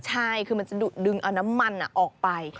ใช่คือมันจะดุดึงเอาน้ำมันออกไป